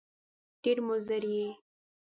ډېر مضر یې !